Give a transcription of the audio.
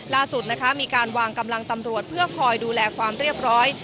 ล่าสุดนะคะมีการวางกำลังตำรวจเพื่อคอยดูแลความเรียบร้อย